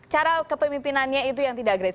cara kepemimpinannya itu yang tidak gratis